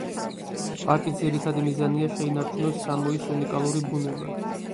პარკის ძირითადი მიზანია შეინარჩუნოს სამოის უნიკალური ბუნება.